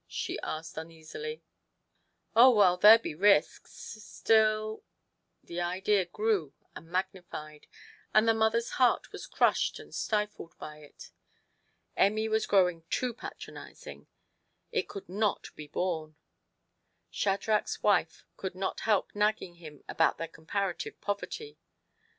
she asked un easily. " Oh, well, there be risks. Still " The idea grew and magnified, and the mother's heart was crushed and stifled by it. Emmy was growing too patronizing ; it could not be borne. Shadrach's wife could not help nagging him about their comparative poverty.